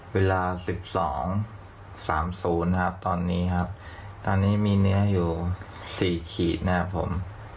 เวลา๑๒๓๐นะครับตอนนี้ครับตอนนี้มีเนื้ออยู่๔ขีดนะครับผม